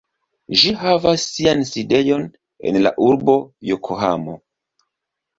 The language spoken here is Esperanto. Ĝi havas sian sidejon en la urbo Jokohamo.